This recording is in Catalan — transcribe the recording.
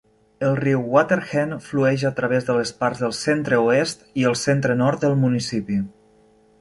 El riu Water Hen flueix a través de les parts del centre-oest i el centre-nord del municipi.